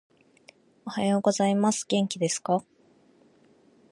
おはようございます。元気ですか？